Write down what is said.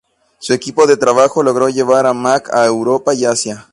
Su equipo de trabajo logró llevar la Mac a Europa y Asia.